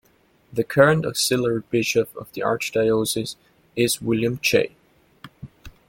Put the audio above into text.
The current auxiliary bishop of the archdiocese is William J.